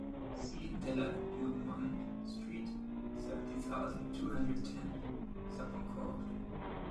Six De la Duremanne Street, seventy thousand two hundred ten, Saponcourt.